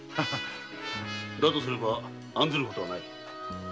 だとすれば案ずることはない。